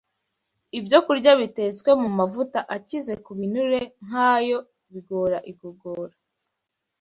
Ibyokurya bitetswe mu mavuta akize ku binure nk’ayo bigora igogora